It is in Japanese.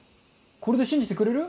これで信じてくれる？